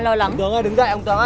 rồi mới nào đấy